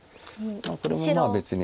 これもまあ別に。